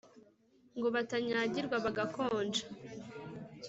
Ngo batanyagirwa bagakonja